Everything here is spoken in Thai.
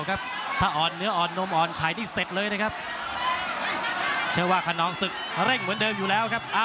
สามนาทีสุดท้าย